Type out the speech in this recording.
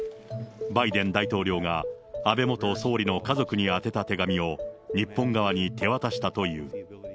バイデン大統領が、安倍元総理の家族に宛てた手紙を日本側に手渡したという。